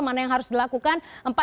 mana yang harus dilakukan